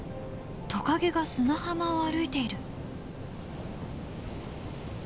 トカゲが砂浜を歩いている。